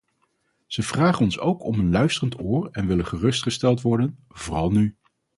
Ze vragen ons ook om een luisterend oor en willen gerustgesteld worden, vooral nu.